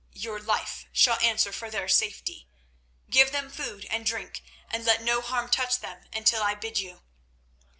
Your life shall answer for their safety. Give them food and drink, and let no harm touch them until I bid you."